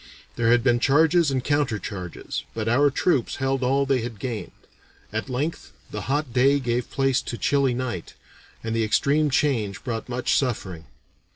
There had been charges and counter charges, but our troops held all they had gained. At length the hot day gave place to chilly night, and the extreme change brought much suffering.